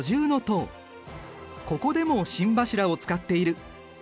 ここでも心柱を使っている。